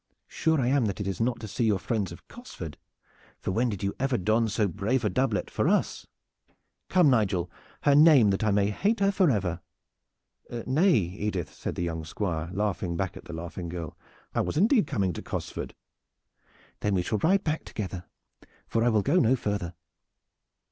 Sure I am that it is not to see your friends of Cosford, for when did you ever don so brave a doublet for us? Come, Nigel, her name, that I may hate her for ever." "Nay, Edith," said the young Squire, laughing back at the laughing girl. "I was indeed coming to Cosford." "Then we shall ride back together, for I will go no farther.